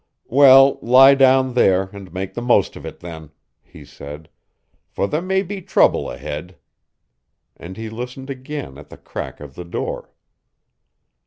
"Well, lie down there, and make the most of it, then," he said, "for there may be trouble ahead." And he listened again at the crack of the door.